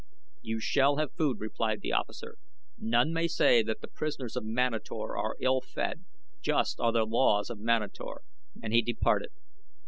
"You shall have food," replied the officer. "None may say that the prisoners of Manator are ill fed. Just are the laws of Manator," and he departed.